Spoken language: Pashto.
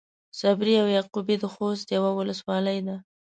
صبري او يعقوبي د خوست يوۀ ولسوالي ده.